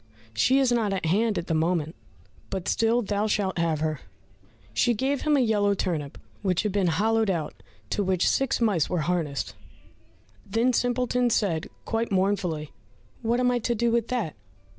She is not at hand at the moment, but still thou shalt have her." She gave him a yellow turnip which had been hollowed out, to which six mice were harnessed. Then Simpleton said quite mournfully, "What am I to do with that?"